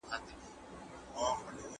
تاسو به په خپلو کارونو کي بریالي سئ.